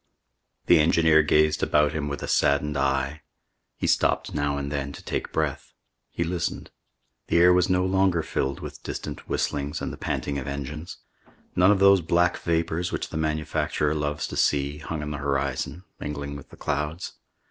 The engineer gazed about him with a saddened eye. He stopped now and then to take breath. He listened. The air was no longer filled with distant whistlings and the panting of engines. None of those black vapors which the manufacturer loves to see, hung in the horizon, mingling with the clouds.